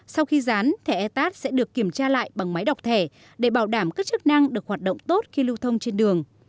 sau khi dán thẻ etat sẽ được kiểm tra lại bằng máy đọc thẻ để bảo đảm các chức năng được hoạt động tốt khi lưu thông trên đường